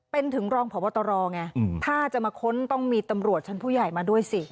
เป็นถึงรองพบตรไงถ้าจะมาค้นต้องมีตำรวจชั้นผู้ใหญ่มาด้วยสิ